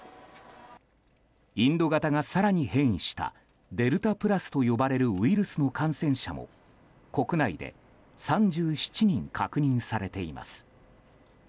インド型が更に変異したデルタプラスと呼ばれるウイルスの感染者も国内で３７人確認されています。